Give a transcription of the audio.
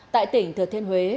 tại tỉnh thừa thiên huế